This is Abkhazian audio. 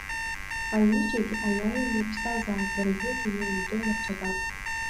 Аҩыџьагь аиааира иаԥсазаап, – рҳәоит инеимдо, лабҿаба.